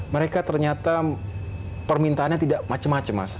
mereka ternyata permintaannya tidak macem macem mas